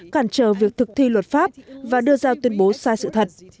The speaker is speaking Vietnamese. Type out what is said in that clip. cản trở việc thực thi luật pháp và đưa ra tuyên bố sai sự thật